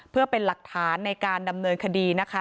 เพื่อเป็นหลักฐานในการดำเนินคดีนะคะ